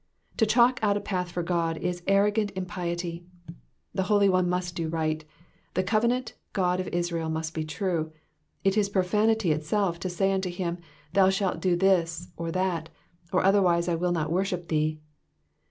To chalk out a path for God is arrogant impiety. The Holy One must do right, the covenant God of Israel must be true, it is profanity itself to say unto him thou shalt do this or that, or otherwise I will not worship thee.